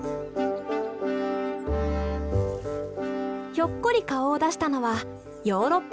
ひょっこり顔を出したのはヨーロッパヤチネズミ。